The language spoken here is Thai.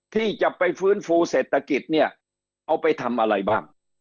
ที่จะไปฟื้นฟูเศรษฐกิจเนี่ยเอาไปทำอะไรบ้าง